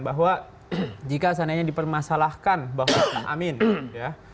bahwa jika seandainya dipermasalahkan bahwa kang amin ya